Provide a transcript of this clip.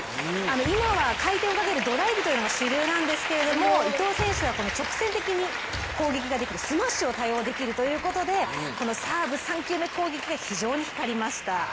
今は回転をかけたドライブというのが主流なんですけれども伊藤選手は直線的に攻撃ができるスマッシュを多用できるということでこのサーブ３球目攻撃が非常に光りました。